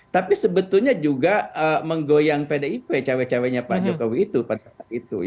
tapi sebetulnya juga menggoyang pdip cewek ceweknya pak jokowi itu